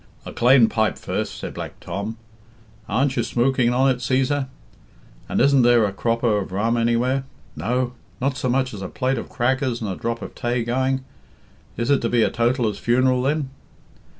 "A clane pipe first," said Black Tom. "Aren't you smook ing on it, Cæsar? And isn't there a croppa of rum anywhere? No! Not so much as a plate of crackers and a drop of tay going? Is it to be a totaller's funeral then?"